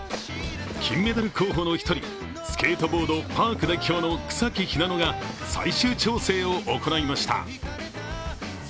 金メダル候補の一人、スケートボード・パーク代表の草木ひなのが最終調整を行いました。